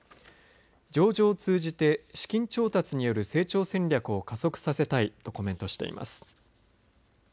上場を通じて資金調達による成長戦略を加速させたいとコメントしています。